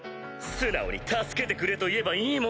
素直に助けてくれと言えばいいものを。